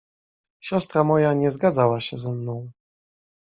"Siostra moja nie zgadzała się ze mną."